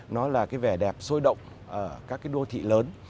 nó là cái vẻ đẹp sôi động ở các cái đô thị lớn